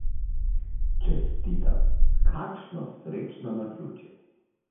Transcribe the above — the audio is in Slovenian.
Čestitam, kakšno srečno naključje.